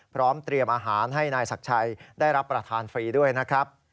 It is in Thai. พร้อมเตรียมอาหารให้นายศักดิ์ชัยได้รับประทานฟรีด้วยนะครับ